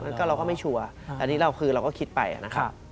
อืมเราก็ไม่ชัวร์แต่นี่เราก็คิดไปนะครับ